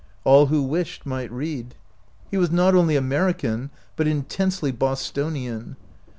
All who wished might read. He was not only American, but intensely Bostonian.